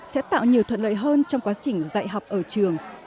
sẽ tạo nhiều thuận lợi hơn trong quá trình dạy học ở trường